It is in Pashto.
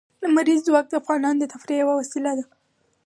لمریز ځواک د افغانانو د تفریح یوه وسیله ده.